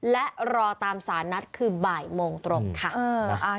และรอตามสารนัดคือบ่ายโมงตรงค่ะ